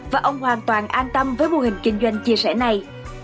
và ông hoàn toàn an tâm với mô hình kinh doanh chia sẻ này